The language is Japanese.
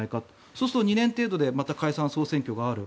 そうすると２年程度でまた解散・総選挙がある。